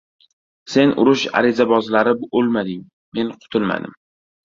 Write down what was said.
— Sen urush arizabozlari o‘lmading, men qutulmadim!